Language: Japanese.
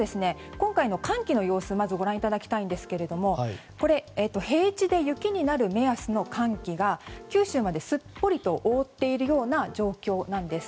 今回の寒気の様子をご覧いただきたいんですけれども平地で雪になる目安の寒気が九州まですっぽりと覆っているような状況なんです。